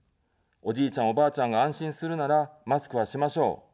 おじいちゃん、おばあちゃんが安心するなら、マスクはしましょう。